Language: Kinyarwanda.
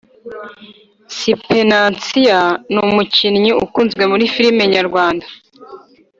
siperansiya numukinnyi ukunzwe muri firme nyarwanda